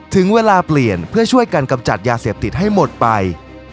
ถึงเวลาเปลี่ยนเพื่อช่วยกันกำจัดยาเสพติดให้หมดไป